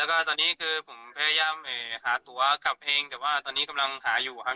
แล้วก็ตอนนี้คือผมพยายามหาตัวกลับเองแต่ว่าตอนนี้กำลังหาอยู่ครับ